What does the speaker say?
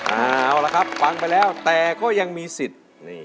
เอาละครับฟังไปแล้วแต่ก็ยังมีสิทธิ์